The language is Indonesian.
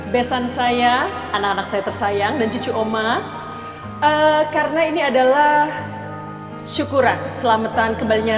besan saya anak anak saya tersayang dan cucu oma karena ini adalah syukuran selamatan kembalinya